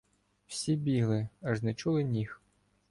Всі бігли, аж не чули ніг.